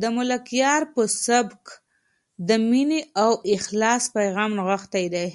د ملکیار په سبک کې د مینې او اخلاص پیغام نغښتی دی.